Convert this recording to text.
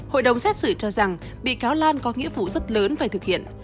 hội đồng xét xử cho rằng bị cáo lan có nghĩa vụ rất lớn về thực hiện